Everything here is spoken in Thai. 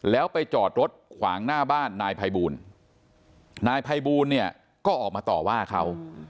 แล้วไปจอดรถขวางหน้าบ้านนายภัยบูลนายภัยบูลเนี่ยก็ออกมาต่อว่าเขา